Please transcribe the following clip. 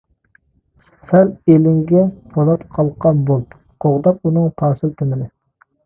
سەن ئېلىڭگە پولات قالقان بول، قوغداپ ئۇنىڭ پاسىل تېمىنى.